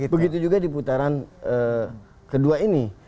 begitu juga di putaran kedua ini